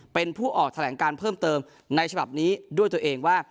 เป็นผู้ออกแถลงการเพิ่มเติมในฉบับนี้ด้วยตัวเองว่า